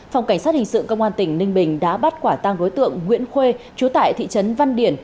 phòng cảnh sát hình sự công an tỉnh ninh bình đã bắt quả tăng đối tượng nguyễn khuê chú tại thị trấn văn điển